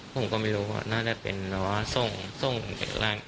ผมก็ไม่รู้ว่าน่าจะเป็นแบบว่าส่งร่าง